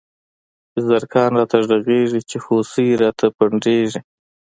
چی زرکان راته غږيږی، چی هوسۍ راته پنډيږی